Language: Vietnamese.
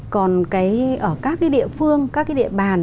còn ở các địa phương các địa bàn